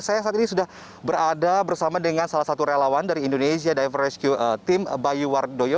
saya saat ini sudah berada bersama dengan salah satu relawan dari indonesia diver rescue team bayu wardoyo